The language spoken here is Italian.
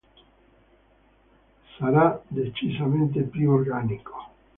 Sarà decisamente più organico".